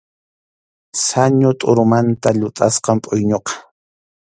Sañu tʼurumanta llutʼasqam pʼuyñuqa.